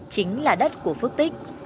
chính là đất của phước tích